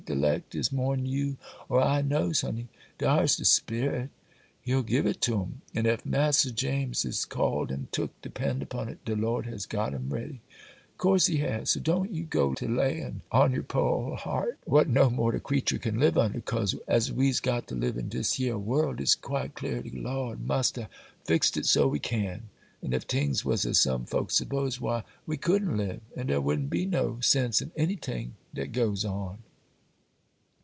De 'lect is more'n you or I knows, honey! Dar's de Spirit,—He'll give it to 'em; and ef Mass'r James is called an' took, depend upon it de Lord has got him ready,—course He has,—so don't ye go to layin' on yer poor heart what no mortal creetur can live under; 'cause, as we's got to live in dis yer world, it's quite clar de Lord must ha' fixed it so we can; and ef tings was as some folks suppose, why, we couldn't live, and dar wouldn't be no sense in anyting dat goes on.